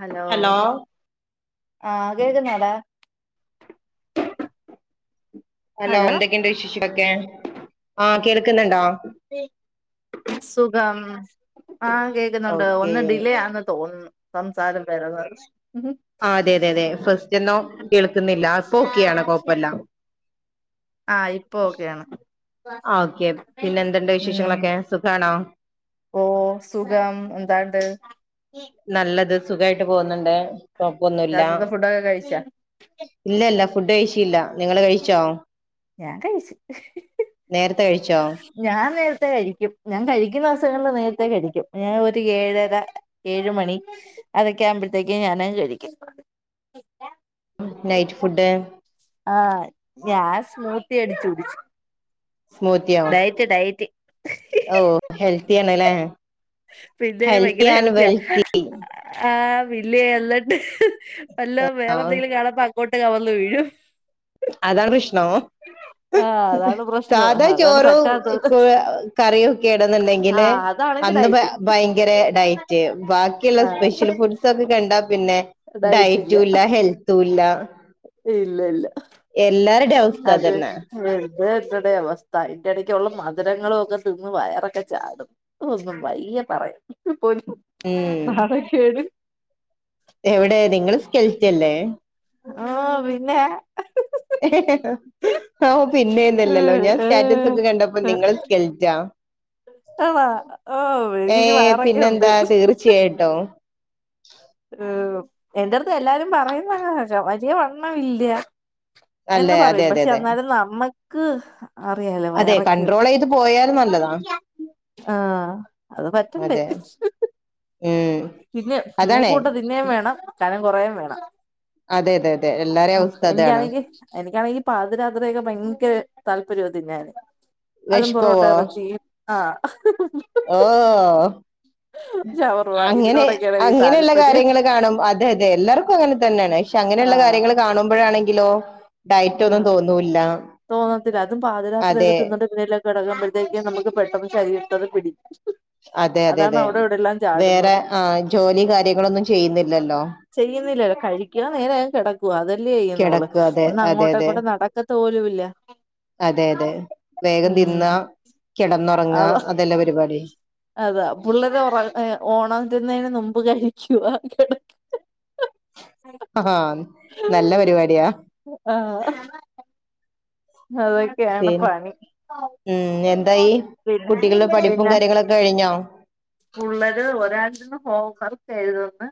Hello ആ കേൾക്കുന്നടാ hello എന്തൊക്കെയണ്ട് വിശേഷക്കെ ആ കേൾക്കുന്നുണ്ടോ സുഖം ആ കേക്കുന്നുണ്ട് ഓക്കേ ഒന്ന് ഡിലേയാന്ന് ന്തോന്ന സംസാരം വരുന്നത് ആ അതെ അതെ അതെ ഫസ്റ്റ്ന്നോ കേൾക്കുന്നില്ല അപ്പൊക്കെയാണ് കൊഴപ്പല്ല ആഹ് ഇപ്പൊ ഓക്കെയാണ് ആ ഓക്കെ പിന്നെ എന്ത്‌ണ്ട് ഉം വിശേഷങ്ങളൊക്കെ സുഖാണോ ഓ സുഖം എന്താണ്ട് നല്ലത് സുഖായിട്ട് പോകുന്നുണ്ട് തപ്പൊന്നുമല്ല രാത്രിത്തെ ഫുഡൊക്കെ കഴിച്ചാ ഇല്ലല്ല ഫുഡ് കഴിച്ചില്ല നിങ്ങള് കഴിച്ചോ ഞാൻ കഴിച്ചു നേരത്തെ കഴിച്ചോ ഞാൻ നേരത്തെ കഴിക്കും ഞാൻ കഴിക്കുന്ന ദിവസങ്ങളിൽ നേര ഇടിക്കും ഞാൻ ഒരു ഏഴര ഏഴ മണി അതൊക്കെ ആമ്പോഴത്തേക്ക് ഞാൻ കഴിക്കും നൈറ്റ് ഫുഡ് ആഞാൻ സ്മൂത്തി അടിച്ചു കുടിച്ചു സ്മൂത്തിയോ ഡയറ്റ് ഡയറ്റ് ഓ ഹെൽത്തി ആണല്ലേ പിന്നെ ഹെൽത്തി ഭയങ്കര ആൻഡ് ഹെൽത്തിആ വെൽത്തി വില്ലയ അല്ലിട്ടണ്ട് എല്ല വേറെ ആഹ് എന്തെങ്കിലും കാണപ്പ അങ്ങോട്ട് കവന്ന വീഴു അതാണ് കൃഷ്ണ ആഹ് അതാണ് പ്രശ്നം സാധാ അതാണ് ചോറും പറ്റാത്തത് കറിയും ഒക്കെ ഏണന്നുണ്ടങ്കിൽ ആഹ് അതാണെങ്കി അന്ന് ഡയറ്റ്. ഭയങ്കര ഡയറ്റ് ബാക്കിയുള്ള സ്പെഷ്യൽ ആഹ് ഫുഡ്സ് ഒക്കെ കണ്ടാ പിന്നെ ഡയറ്റും ഇല്ല ഹെൽത്തും ഇല്ല ഇല്ല ഇല്ല എല്ലാരുടെയും അവസ്ഥ അത [unintelligible] അതന്നെ [unintelligible] അവസ്ഥ അന്റെ ഇടയ്ക്കുള്ള മധുരങ്ങളും ഒക്കെ തിന്ന് വയറൊക്കെ ചാടും ഒന്നും വൈ [unintelligible] ഉം നാണകേട് എവിടെ നിങ്ങള് സ്കെൽറ്റല്ലെ ആ പിന്നെ ആ പിന്നെന്നല്ലല്ലോ ഏഹ് ഞാൻ സ്റ്റാറ്റസ് ഒക്കെ കണ്ടപ്പോ ഏഹ് നിങ്ങള് സ്കൽറ്റാ ആണോ ഓ ഏ എനിക്കിച്ചി വയറൊക്കെ ഉണ്ട് പിന്നെന്താ തീർച്ചയായിട്ടും ഏ എന്റെടുത്ത് എല്ലാരും പറയുന്നങ്ങച്ച വലിയ വണ്ണം ഇല്ല എന്ന് അല്ലെ അതെ പറയും അതെ പക്ഷെ അതെ എന്നാലും നമ്മക്ക് അറിയല്ലേ അതെ കൺട്രോൾ വയറൊക്കെയുണ്ട് ചെയ്ത് പോയാൽ നല്ലതാ ആ അത് പറ്റണ്ടേ അതെ ഉം പിന്നെ അതാണേ മൂക്കുമുട്ടെ തിന്നേ വേണം കനം കുറേം വേണം അതെ അതെ അതെ എല്ലാരേം ആ അവസ്ഥ അതാണ് എനിക്കാണെങ്കിൽ എനി [unintelligible] പാതിരാത്രയൊക്കെ ഭയങ്കര താല്പര്യ തിന്നാൻ അതും പൊറോട്ട ഇറച്ചിയും ആ ആ ഷവർമ്മ അങ്ങനെ ഇതിനോടൊക്കെയാണ് എനിക്ക് അങ്ങനെയുള്ള താല്പര്യം കാര്യങ്ങൾ കാണും അതെ അതെ എല്ലാവർക്കും അങ്ങനെ തന്നെയാണ് പക്ഷെ അങ്ങനെയുള്ള കാര്യങ്ങൾ കാണുമ്പോഴാണെ ങ്കിലോ ആഹ തോന്നത്തില്ല അതും പാതിരാത്രിയൊക്കെ അതെ തിന്നിട്ട് എന്തേലും കിടക്കുമ്പോഴത്തേക്കും നമുക്ക് പെട്ടെന്ന് ശരീരത്തത് പിടിക്കും അതെ അതെ അതാണ് അതെ അവിടെ ഇവിടെല്ലാം വേറെ ചാടുന്നത് ആ ജോലി കാര്യങ്ങളൊന്നും ചെയ്യുന്നില്ലല്ലോ ചെയ്യുന്നില്ലല്ലോ കഴിക്കുക നേരെ കിടക്കുവ അതല്ലേ ചെയ്യുന്നോള് കിടക്കുക അതെ ഒന്ന് അതെ അങ്ങോട്ടും അതെ അങ്ങോട്ടും നടക്കത്ത പോലുംല്ല അതെ അതെ വേഗം തിന്ന കിടന്നുറങ്ങാ അവ അതല്ലേ പരിപാടി അതാ പുള്ളരെ ഉറ ഒണരുന്നതിനു മുമ്പ് കഴിക്കുവാ കിട ആഹ നല്ല പരിപാടിയാ ആഹ പിന്നെ ഉം എന്തായി കുട്ടികളുടെ പഠിപ്പും കാര്യങ്ങളൊക്കെ കഴിഞ്ഞോ പുള്ളര് ഒരാള് ഇരുന്ന് ഹോം വർക്ക്‌ എഴുതുന്ന്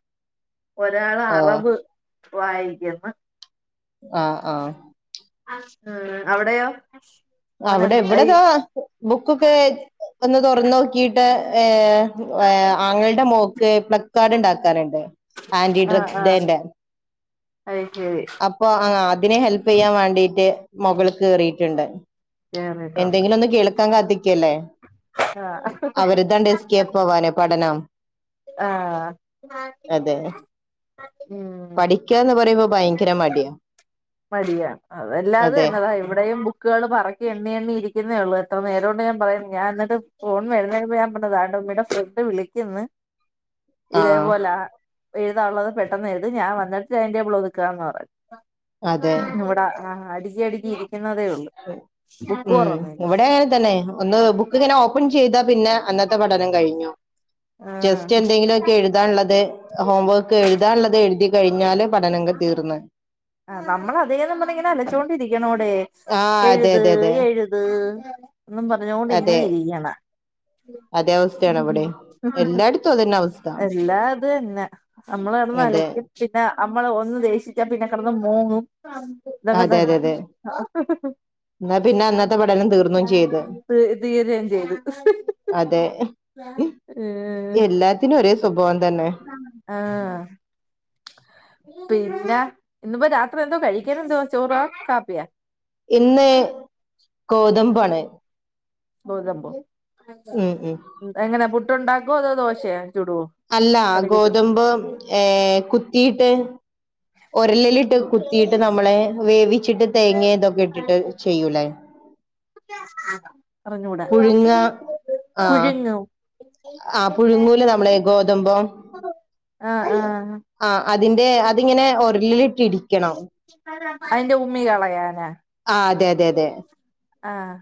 ഒരാള് ഓ അറബ് വായിക്കുന്നു ആഹ ആഹ ഉം അവിടെയോ അവിടെ മോനുണ്ട് അയ് ഇവിടെതാ ബുക്കൊക്കെ ഒന്ന് തുറന്ന് നോക്കിയിട്ട് ഏ ആങ്ങളുടെ മോൾക്ക് പ്ലക്കാർഡ് ഉണ്ടാക്കാനുണ്ട് ആന്റി ആഹ് ഡ്രഗ്സ് ആഹ് ഡേന്റെ അയ് ശരി അപ്പൊ അതിനെ ഹെല്പ് ചെയ്യാൻ വേണ്ടീട്ട് മകൾ കേറീയിട്ടുണ്ട് കേറിട്ടുണ്ട് എന്തെങ്കിലും ഒന്ന് കേൾക്കാൻ കാത്തിക്കല്ലേ ആഹ് അവര്താണ്ട് എസ്കേപ്പ് ആവാനെ പഠനം ആഹ പഠിക്കന്ന് പറയുമ്പോ ഭയങ്കര മടിയാ മടിയാണ് അതെല്ലാം അത് അതെ തന്നെ ദാ ഇവിടെയും ബുക്കുകൾ പറക്കി എണ്ണി എണ്ണി ഇരിക്കുന്നേള്ളൂ എത്ര നേരം കൊണ്ട് ഞാൻ പറയുന്നത് ഞാൻ എന്നിട്ട് ഫോൺ വരുന്ന മുമ്പ് ഞാൻ പറഞ്ഞതാ ഫ്രണ്ട് വിളിക്കന്ന് ആഹ് ഇതേപോലെ പെട്ടെന്ന്എഴുതു ഞാൻ വന്നിട്ട് ടൈം ടേബിൾ ഒതുക്കാന്ന് പറഞ്ഞു അതെ [inaudible] ഉള്ളൂ ബുക്ക് ഉം തുറന്നില്ല ഇവിടെഇത് തന്നെ ഒന്ന ബുക്ക് ഇങ്ങനെ ഓപ്പൺ ചെയ്താ പിന്നെ അന്നത്തെ പഠനം കഴിഞ്ഞു ആഹ് ജെസ്റ്റ് എന്തെങ്കിലും ഒക്കെ എഴുതാനുള്ളത് ഹോം വർക്ക് എഴുതാനുള്ളത് എഴുതി കഴി ഞ്ഞാല് പഠനം തീർന്ന് ആ നമ്മൾ അതേന്ന് പറഞ്ഞു ഇങ്ങനെ അലച്ചൊണ്ടിരിക്കണോടെ ആഹ് അതെ എഴുത് അതെ അതെ എഴുത് എന്നും പറഞ്ഞൊണ്ട് അതെ ഇങ്ങനെ ഇരിക്കണം അതെ അവസ്ഥയാണ് ഇവിടെ എല്ലായിടത്തും അതന്നെ അവസ്ഥ എല്ലാ അത് തന്നെ നമ്മളകിടന്ന് അതെ അലക്കും പിന്നെ നമ്മള് ഒന്ന് ദേഷിച്ച പിന്നെ മോങ്ങും ഇതൊക്കെ അതെ അതെ തന്നെ അതെ എന്നാ പിന്നെ അന്നത്തെ പഠനം തീർന്നും ചെയ്ത് തീരെയും ചെയ്തു അതെ എല്ലാത്തിനും ഒരേ സ്വഭാവം തന്നെ ആഹ പിന്നെ ഇനിപ്പ രാത്രി എന്തോ കഴിക്കൻ എന്തോ ചോറാ കാപ്പിയാ ഇന്ന് ഗോതമ്പ് ആണ് ഗോതമ്പോ ഉം എങ്ങനാ പുട്ടുണ്ടാക്കോ അതോ ദോശയൊ അല്ല ഗോതമ്പ് കുത്തിയിട്ട് ഉരലിലിട്ട് കുത്തിയിട്ട് നമ്മളെ വേവിച്ചിട്ട് തേങ്ങ ഇതൊക്കെ ഇട്ടിട്ട് ചെയ്യൂലേ അറിഞ്ഞൂടാ പുഴുങ്ങ പുഴുങ്ങും ആഹ പുഴുങ്ങൂലെ നമ്മളെ ഗോതമ്പ് ആഹ് ആഹ് ആ അതിന്റെ അതിങ്ങനെ ഒരലിൽ ഇട്ടു അതിന്റെ ഉമ്മി കളയാനാ ആ അതെ അതെ അതെ ആഹ്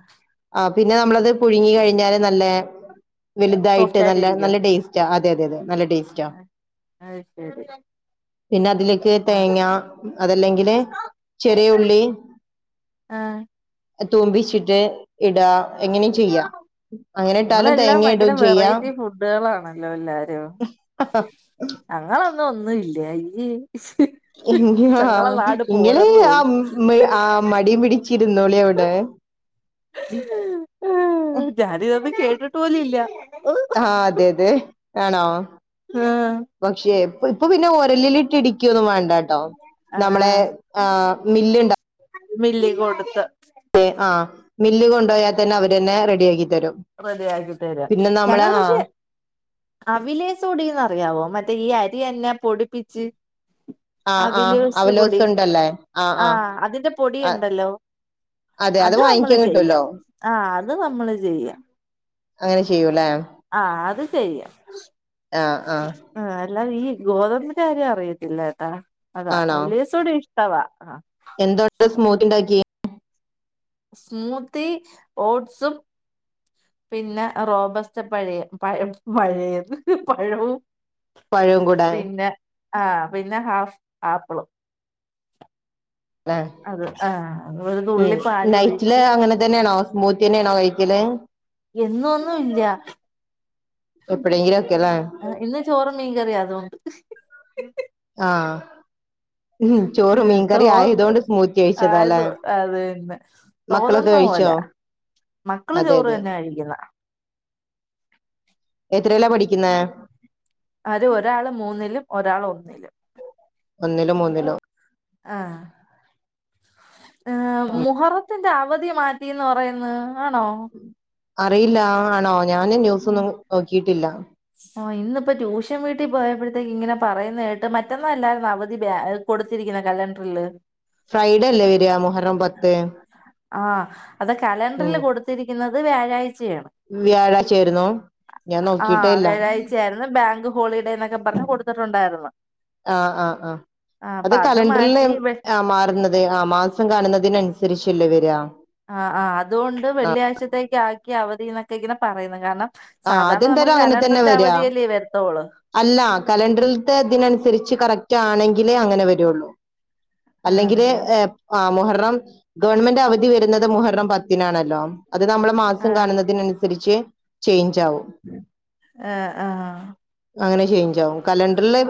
ആ പിന്നെ നമ്മളത് പുഴുങ്ങി കഴി പില് നല്ല വലുതായിട്ട് സോഫ്റ്റ് ആയിട്ട് നല്ല ഇരിക്കോ നല്ല ടേസ്റ്റ് അതെ അതെ അതെ നല്ല ടേസ്റ്റാ ഉ പിന്നെ അതിലേക്ക് തേങ്ങ അതല്ലെങ്കില് ചെറിയള്ളി ആഹ് തോ്പിച്ചിട്ട് ഇടാ എങ്ങനെയും ചെയ്യാം അങ്ങനെ ഇട്ടാലും നിങ്ങളെല്ലാം തേങ്ങ ഇടയും ചെയ്യാം ല്ലോല്ലാരോ അങ്ങളൊന്നും ഒന്നുംല്ലയ ഇങ്ങെ പോരെന്ന് ആ തോന്നുന്നു ആ മടിയും പിടിച്ചിരുന്നോളെ അവിടെ [inaudible] ജാാനതന്നും കേട്ടിട്ട് പോലല്ല ആഹ അതെ അതെ ആണോ ആഹ് പക്ഷേ ഇപ്പൊ പിന്നെ ഒരലിലിട്ട് ഇടിക്കൊന്നും വേണ്ടട്ടോ നമ്മളെ ആഹ് ആ മില്ലുണ്ട മില്ലി കൊടുത്ത് മില്ല് കൊണ്ടപ പോയാൽ തന്നെ അവര്ന്നെ റെഡിയ ആി് തി ആക്കി തരാ ഞങ്ങള് ആഹ് പക്ഷെ അവിലേസൊടിന്ന്റിയാവോ മറ്റേ ഈ അരി എന്ന എന്നെ പൊടിപ്പിച്ച് ആ ആഹ് ആഹ് ബിലൂസ് അവലോസ് പൊടി ഉണ്ടല്ലേ ആഹ് ആഹ് ആഹ അതിന്റെ പൊടി ആഹ് ഉണ്ടല്ലോ അതെ അത് നമ്മള് വാങ്ങിക്കാൻ കിട്ടുവല്ലോ ചെയ്യാം ആ അത് നമ്മള് ചെയ്യാം അങ്ങനെ ചെയ്യൂ അല്ലെ ആഹ അത് ചെയ്യാം ആഹ് ആഹ് ആ എല്ലാം ഈ ഗോതമ്പന്റെ കാര്യം അറിയത്തില്ല ഏട്ടാ അതാ അിലേസോട് ഇഷ്ടവാ ആ എന്താണ്ട സ്മൂത്ത്ണ്ടാക്കിയ സ്മൂതി ഓട്സും പിന്നെ റോബസ്റ്റ പഴയ പഴ പഴയ പഴവും പഴവും കൂടെ പിന്നെ ആഹ പിന്നെ ഹാഫ് ആാപ്പിളും അ ആഹ് ഒരു ഉ തുള്ളി പാല് നൈറ്റില് ഒഴിച്ച് അങ്ങനെ തന്നെയാണ് അവസ്ഥ മൂത്തിീനെയണോ കഴിക്കല എന്നൊന്നും ഇല്ല എപ്പോഴെങ്കിലും ഒക്കെല്ലേ ആ ഇന്ന് ചോറും മീൻകറിിയ അതൊണ്ട് ആഹ തോന്ന് ആയതുകൊണ്ട് സ്മൂത്തി കഴിച്ചതാല്ലേ ആയത്ോ അതന്നെ മക്കളൊക്കെ തോന്നുന്ന കഴിച്ചോ ല മക്കള് അതെ ചോറ് അതെ തന്നെ കഴിക്കുന്ന എത്രയല്ലാ പഠിക്കുന്ന അവര് ഒരാള് മൂന്നിലും ഒരാൾ ഒന്നിലും ഒന്നിലോ മൂന്നിലോ ആഹ ഏർ മുഹറത്തിന്റെ അവധി മാറ്റിന്ന് പറയുന്ന ആണോ അറിയില്ല ആണോ ഞാന് ന്യൂസൊന്നും നോക്കിയിട്ടില്ല ആ ഇന്നിപ്പ ട്യൂഷൻ വീട്ടിൽ പോയപ്പെ ഇങ്ങനെ പറയുന്ന കേട്ട് മറ്റന്നാ അല്ലാരരുന്ന അവധി കൊടുത്തിരിക്കുന്ന കലണ്ടറിില് ഫ്രൈഡ അല്ലേ വരിക മോഹറം പത്ത് ആ അത് കലണ്ടറിൽ കൊടുത്തിരിക്കുന്നത് വ്യാഴാഴ്ച വ്യാഴാഴ്ച്ചായിരുന്നു ആഹ വ്യാഴാഴ്ചയായിരുന്നു ബാങ്ക് ഹോളിഡേ എന്നൊക്കെ പറഞ്ഞഞ് കൊടുത്തിട്ടുണ്ടായിരുന്നു ആഹ ആഹ ആഹ ആഹ് അത അപ്പൊ അത് കലണ്ടറിൽ മാറ്റി വെ ആ മാറുന്നത് ആ മാസം കാണുന്നതിനനുസരിച്ചല്ലേ വരാ അവധി എന്നൊക്കെ ഇങ്ങനെ പറയുന്നു കാരണം ആ സാധാരണ നമുക്ക് അതെന്തായാലും അങ്ങനെ തന്നെ കലണ്ടറിന്റെ വരിക അവധിയല്ലേ വരുത്തുള്ളൂ അല്ല കലണ്ടറി ഇതിനനുസരിച്ച് കറക്റ്റ് ആണെങ്കിലേ അങ്ങനെ വരുുള്ളു അല്ലെങ്കില് ആണല്ലേ ആ മോഹർണം ഗവൺമെന്റ് അവധി വരുന്നത് മോഹറം പത്തിനാണല്ലോ അത് നമ്മെ മാസം കാണുന്നതിനനുസരിച്ച് ചേഞ്ച് ആവും ആഹ ആഹ അങ്ങനെ ചെയേഞ്ചാവും കലണ്ടറിില്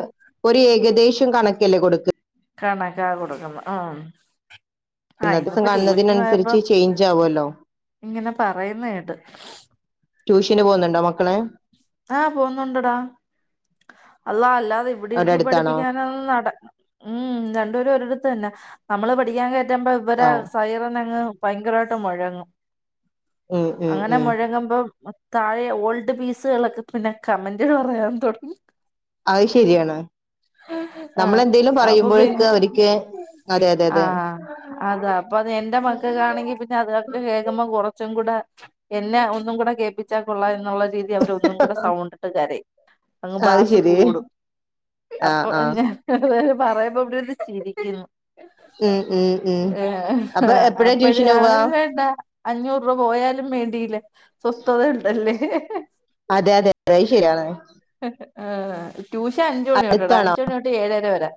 ഒരു ഏകദേശം കണക്കല്ലേ കൊടുക്ക കണക്കാ കൊടുക്കുന്നു ആ ആ ദിവസം ഇന്നപ്പോ ട്യൂഷന് കാണുന്നതിനനുസരിച്ച് പോയപ്പമം ചേഞ്ച് ആവുമല്ലോ ഇങ്ങനെ പറയുന്നട്ട് ട്യൂഷന് പോകുന്നുണ്ടോ മക്കളെ ആഹ പോുന്നുണ്ടടാ [unintelligible] അല്ല അല്ലാതെ ഇവിടെ അവിടെ ഇരുത്തി അടുത്താണോ പഠിപ്പിക്കാന നട ഉം രണ്ടുപേരും ഒരിടത്ത്ു തന്നെ നമ്മള് പഠിക്കാൻ കയറ്റുമ്പ ഇവരെ ആ സൈറിന്നങ്ങ് ഭയങ്കരമായിട്ട് മുഴങ്ങും ഉം ഉം അങ്ങനെ ഉം മുഴങ്ങുമ്പോ താഴെ ഓൾഡ് പീസുകളൊക്കെ പിന്നെ കമന്റുകൾ പറയാൻ തുടങ്ങി അത് ശരിയാണ് നമ്മൾെന്തേലും പറയുമ്പോഴക്ക് അവർക്ക് അതെ അതെ അതെ ആഹ അതാ! അപ്പൊ അത് എന്റെ മക്കകാണെങ്കി പിന്നെ അതൊക്കെ കേൾക്കുമ്പകുറച്ച് കുച്ചും കൂടെ എന്നെ ഒന്നും കൂടെ കേൾപ്പിച്ചാൽ കൊള്ള- എന്നുള്ള രീതി അവര ഒന്നും കൂടെ സൗണ്ടിട്ട് കരയും. അത് അങ്ബാസ് ശരി കൂടും ആ അപ്പൊ ആ ഞ- പേര് പറയുമ്പോ എവിടെത് ചിരിക്കു ഉം ഉം ഉം ഏ അപ്പൊ എപ്പഴാ അപ്പഴ ട്യൂഷന് ഞാൻ പോവാ വേണ്ട അഞ്ഞൂറ് രൂപ പോയ- ന്നാലുംവേണ്ടയില്ല സ്വസ്ഥത ഉണ്ടല്ലേ അതെ അതെ അതഐ ശരിയയാാണ് ഏ ട്യൂഷൻ അഞ്ച് മണി തൊട്ടാടാ അടുത്താണോ അഞ്ച് മണി തൊട്ട് ഏഴര വരെ!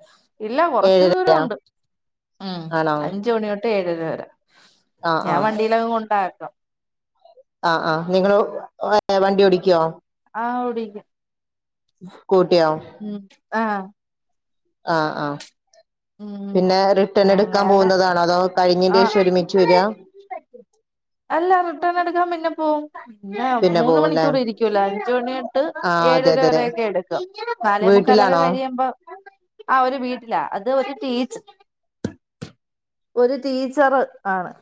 ഇല്ല കൊറച്ചു ഏഴര ദൂരമുണ്ട്. ഉം. ആണോ അഞ്ച മണി തൊട്ട്ഏഴര വരെ! ആഹ് ഞാൻ വണ്ടിയിലങ്ങ് കൊണ്ടാക്കും. ആ ആ നിങ്ങള് ഓടിക്കുവോ? ആഹ് ഓടിക്കും! ഫു ഉം ആഹ്! ആ ആഹ്! ഉം പിന്നെ റിട്ടേൺ എടുക്കാൻ അങ്ങനെ പോകുന്നതാണോ? അതോ കഴിഞെൻ്റെ ആഹ് ശേഷം ഒരുമിച്ച് വരിക? അല്ല റിട്ടേൺ എടുക്കാൻ പിന്നെ പോവും. പിന്നെ മൂന്നു മണിക്കൂർ ഇരിക്കൂല്ലോ. അഞ്ച് മണി തൊട്ട്! ആഹ് അതെ ഏഴര അതെ അതെ വരൊക്കെ എടുക്കും. നാലേ മുക്കാലൊക്കെ വീട്ടിലാണോ കഴിയുമ്പോ ആ ഒരു വീട്ടിലാ! ഇത് ഒരു ടീച്ച്ഒരു ടീച്ചർ ആണ്.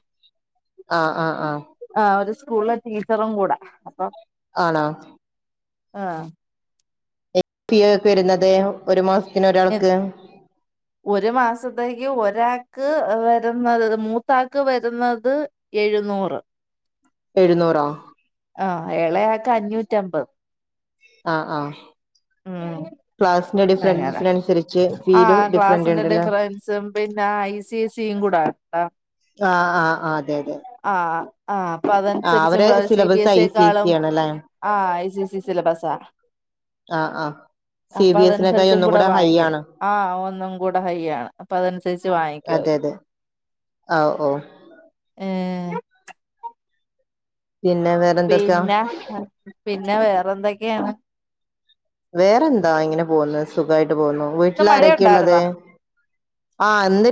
ആഹ ആഹ ആഹ്! ആ ഒരു സ്കൂളിലെ ടീച്ചറും കൂടെ അപ്പൊ? ആണോ? ആഹ്! ഫിയ ഒക്കെ വരുന്നത് ഒരു മാസത്തിന് ഒരാൾക്ക്! ഒരു മാസത്തേക്ക് ഒരാക്ക് വരുന്നത് മൂത്താക്ക് വരുന്നത്! ഇരുന്നൂറ് എഴുന്നൂറാ? ആഹ്! ഇളയാക്കെ അഞ്ഞൂറ്റ അമ്പത്.. ആ ആഹ് പാസ്. ആ ഡിഫറന്റ് ക്ലാസിന്റെ ഉണ്ടല്ലേ ഡിഫറൻസും പിന്ന ഐ സി എ സി ബുടാ താ! ആ ആഹ് ആ് അതെ അതെ! ആഹ് ആഹ് അപ്പൊ ആഹ് അതനുസരിച്ചും അവരെ കൂടാ C B A syllabus C I S യെക്കാളും ഇ ആണല്ലേ ആ ഐ സി എസി സിലബസ് ആപ ആഹ് ആഹ് സിവിയസ്! ആ ഒന്നും കൂടെ ഹൈ ആണ് അതനുസരിച്ചും കൂടെ വാങ്ങിക്കാം അനുസരിച്ച് വാങ്ങിക്കും അതെ അവര് അതെ ആഹ് ഓ ഏ പിന്നെ വേറെന്തൊക്കാ പിന്നെ പിന്നെ വേറെന്തൊക്കെയാണ്? വേറെന്താ ഇങ്ങനെ പോകുന്നു. സുഖായിട്ട് പോകുന്നു. ഇന്ന് വീട്ടിലാ രൊക്കെയള്ളത്? മഴയുണ്ടായിരുന്നോ ആ ഇന്ന്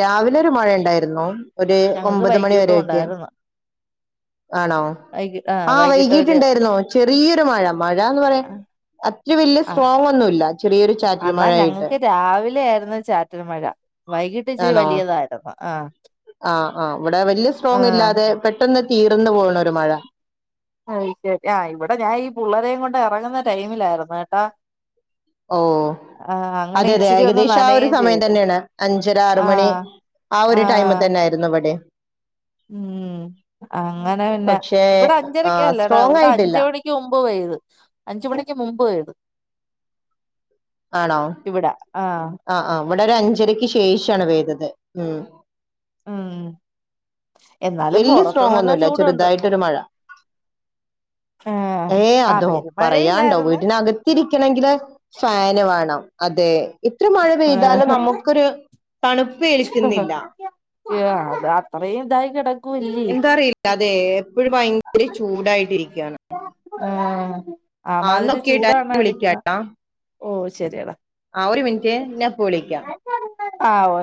രാവിലെ ഒരു മഴയ ഉണ്ടായിരുന്നു. ഒരു ഞങ്ങക്ക് ഒമ്പത് മണി വൈകിട്ടും വരെക്കും ഉണ്ടായിരുന്നു ആണോ? വൈകി ആഹ് ആഹ വൈകിട്ട് ഒരു വൈകിട്ടുണ്ടായിരുന്നു ചെറിയൊരു മഴ. മഴാന്ന് പറയാ അത്ര വലിയ ആഹ് സ്ട്രോങ് ഒന്നുമല്ല. ചെറിയൊരു ചാറ്റില് മഴ ആയിട്ടു. ന്ന് ചാറ്റൽ മഴ! വൈകിട്ട് ഇച്ചിരി ആണോ? വലിയതായിരുന്നു ആഹ് ആ ആ് ഇവിടെ വലിയ സ്ട്രോങ് ആഹ് ഇല്ലാതെ പെട്ടെന്ന്! തീർന്നു പോണ ഒരു മഴ. ആ ശരി! ആ് ഇവിടെ ഞാൻ ഈ പിള്ളരേയും കൊണ്ട് ഇറങ്ങുന്ന ടൈമിലായിരുന്നു ട്ടാ ഓ! അതെ അതെ ഇച്ചിരി ഒന്ന് ഏകദേശം ആ ഒരു നനയും സമയം ചെയ്ത് തന്നെയാണ്. അഞ്ചര ആറു മണി! ആഹ് ആ ഒരു ടൈമി ആഹ് തന്നെ ആായിരുന്നു ഇവിടെ! ഉം അങ്ങനെ പിന്നെ പക്ഷേ ഇവിടെ ആ അഞ്ചരക്കല്ലേ എടാ സ്ട്രോങ് ഇവിടെ അഞ്ച ആയിട്ടില്ല മണിക്ക് മുമ്പ് പോയത് അഞ്ച മണിക്ക് മുമ്പ് എത് ഇവിടെ ആഹ അവിടെ ഒരു അഞ്ചരയ്ക്ക് ശേഷാണ് പെയ്തത് ഉം ഉം എന്നാലും വലയ പൊറത്ത് സ്ട്രോങ് നല്ല ഒന്നുമല്ല ചൂടുണ്ട് ചെറുതായിട്ടൊരു മഴ ആഹ് ഏ ആഹ് അതോ പറയാണ്ടോ പെരുമഴയില്ലായിരുന്നു വീട്ടിനകത്തിരിക്കണമെങ്കില് വ അതെ ഇ മഴ പെയ്താലും ആഹ് നമുക്കൊരു തണു കേളിക്കുന്നില്ല അത് അത്രയും ഇതായി കിട എന്താ അറിയില്ല അതെ എപ്പഴും ഭയങ്കര ചൂടായിട്ടിരിക്കയാണ് ആ ആമാതിരി ഓക്കെ ഏട്ടാ ചൂടാണ ഞാൻ അടിക്കുന്നത് വിളിക്കാട്ടാ ഓ ശരിയടാ ആ ഒരു മിനിറ്റ് ഞാപ്പ വിളിക്കാം ആവ